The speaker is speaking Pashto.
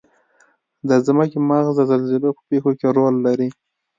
د ځمکې مغز د زلزلې په پیښو کې رول لري.